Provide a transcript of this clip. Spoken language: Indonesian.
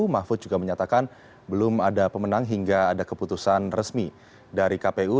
mahfud juga menyatakan belum ada pemenang hingga ada keputusan resmi dari kpu